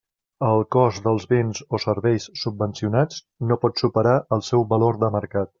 El cost dels béns o serveis subvencionats no pot superar el seu valor de mercat.